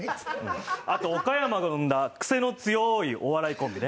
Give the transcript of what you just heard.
あと岡山の運だくせの強いお笑いコンビね。